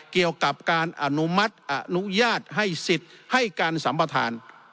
เกี่ยวกับการอนุมัติอนุญาตให้สิทธิ์ให้การสัมประธาน